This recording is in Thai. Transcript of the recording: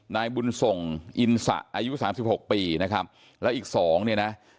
นายบุญส่งอินสะอายุ๓๖ปีนะครับแล้วอีก๒เนี่ยนะ